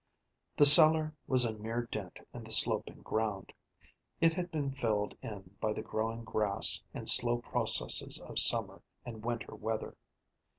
The cellar was a mere dent in the sloping ground; it had been filled in by the growing grass and slow processes of summer and winter weather.